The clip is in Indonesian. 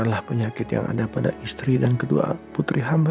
maaf ya sayang mama jadi ngebangunin kamu